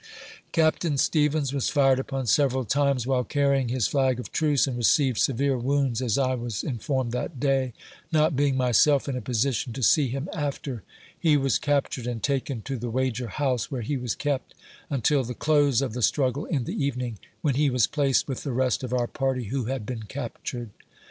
Capt. Stevens was fired upon several times while carrying his flag of truce, and received severe wounds, as I was in formed that day, not being myself in a position to see him after. He was captured, and taken to the Wager House, where he was kept until the close of the struggle in the eve ning, when he was placed with the rest of our party who had been captured.